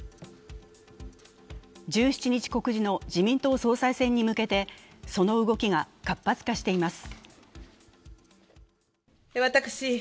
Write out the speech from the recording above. １７日告示の自民党総裁選に向けてその動きが活発化しています。